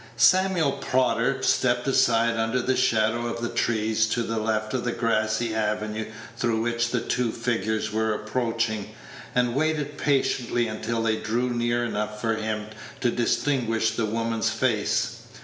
Samuel Prodder stepped aside under the shadow of the trees to the left of the grassy avenue through which the two figures were approaching, and waited patiently until they drew near enough for him to distinguish the woman's face.